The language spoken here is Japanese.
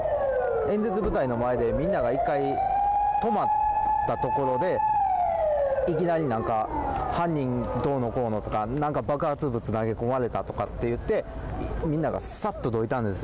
演説舞台の前でみんなが１回止まったところでいきなり犯人どうのこうのとか、なんか爆発物、投げ込まれたとかって言ってみんながさっとどいたんです。